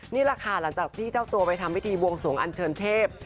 นี่แหละค่ะหลังจากที่เจ้าตัวไปทำพิธีบวงสวงอันเชิญเทพ